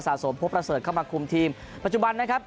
สมพบประเสริฐเข้ามาคุมทีมปัจจุบันนะครับ